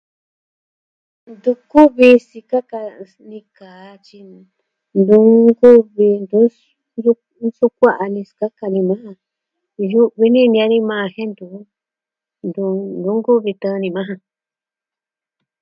Ntu kuvi sikaka ni kaa tyi, iyo nsukua'a ni sikaka nee. Yu'vi ni ñani maa jen ntu, ntu nuu kuvi tɨɨn ni maa ja.